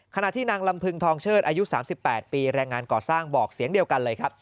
ขณะที่นางลำพึงทองเชิดอายุ๓๘ปีแรงงานก่อสร้างบอกเสียงเดียวกันเลยครับ